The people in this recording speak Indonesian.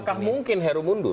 apakah mungkin heru mundur